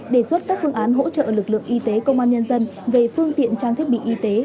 đề xuất các phương án hỗ trợ lực lượng y tế công an nhân dân về phương tiện trang thiết bị y tế